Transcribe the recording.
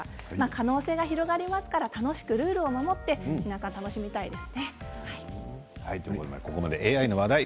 可能性が広がりますから楽しくルールを守って皆さん楽しみたいですね。